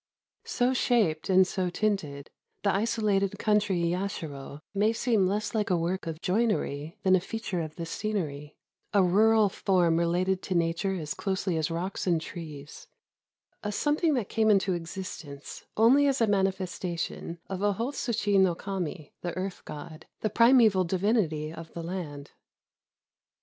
So shaped and so tinted, the isolated country yashiro may seem less like a work of joinery than a fea ture of the scenery, — a rural form related to nature as closely as rocks and trees, — a something that came into existence only as a manifestation of Ohotsuchi no Kami, the Earth god, the primeval divinity of the land.